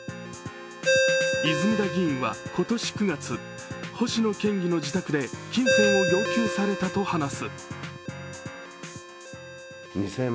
泉田議員は今年９月、星野県議の自宅で金銭を要求されたと話す。